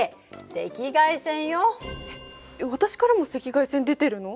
えっ私からも赤外線出てるの？